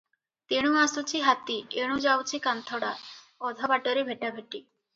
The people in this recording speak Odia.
ତେଣୁ ଆସୁଛି ହାତୀ, ଏଣୁ ଯାଉଛି କାନ୍ଥଡ଼ା, ଅଧ ବାଟରେ ଭେଟାଭେଟି ।